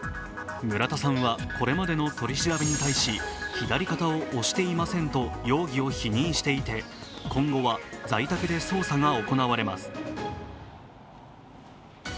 村田さんはこれまでの取り調べに対し、左肩を押していませんと容疑を否認していて今後は在宅で捜査が行われます。